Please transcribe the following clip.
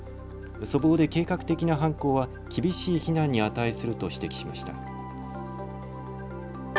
粗暴で計画的な犯行は厳しい非難に値すると指摘しました。